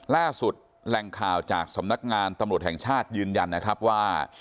แหล่งข่าวจากสำนักงานตำรวจแห่งชาติยืนยันนะครับว่า